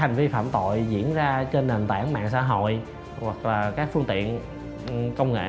hội diễn ra trên nền tảng mạng xã hội hoặc là các phương tiện công nghệ